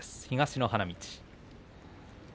東の花道。